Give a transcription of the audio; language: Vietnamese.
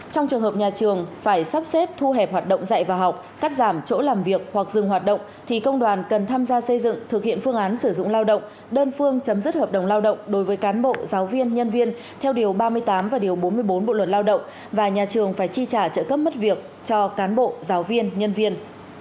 trong trường hợp nhà trường phải sắp xếp thu hẹp hoạt động dạy và học cắt giảm chỗ làm việc hoặc dừng hoạt động thì công đoàn cần tham gia xây dựng thực hiện phương án sử dụng lao động đơn phương chấm dứt hợp đồng lao động đối với cán bộ giáo viên nhân viên theo điều ba mươi tám và điều bốn mươi bốn bộ luật lao động và nhà trường phải chi trả trợ cấp mất việc cho cán bộ giáo viên nhân viên